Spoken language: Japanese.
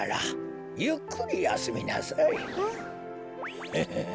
ヘヘヘヘ。